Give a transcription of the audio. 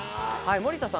森田さん